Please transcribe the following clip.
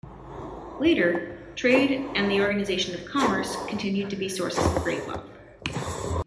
Later, trade and the organization of commerce continued to be sources of great wealth.